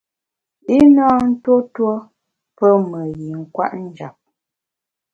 I na ntuo tuo pé me yin kwet njap.